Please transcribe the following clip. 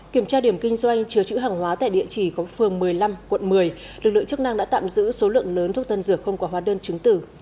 kiểm tra điểm kinh doanh chứa chữ hàng hóa tại địa chỉ có phường một mươi năm quận một mươi lực lượng chức năng đã tạm giữ số lượng lớn thuốc tân dược không có hóa đơn chứng tử